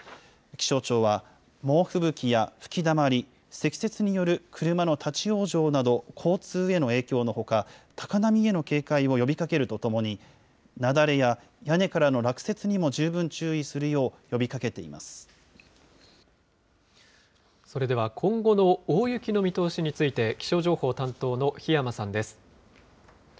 気象庁は、猛吹雪や吹きだまり、積雪による車の立往生など、交通への影響のほか、高波への警戒を呼びかけるとともに、雪崩や屋根からの落雪にも十それでは今後の大雪の見通しについて、気象情報担当の檜山さんです。